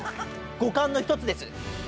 五感の一つです。